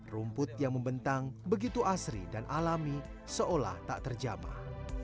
rumput yang membentang begitu asri dan alami seolah tak terjamah